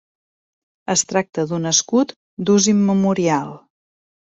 Es tracta d'un escut d'ús immemorial.